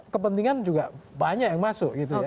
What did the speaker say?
kepentingan juga banyak yang masuk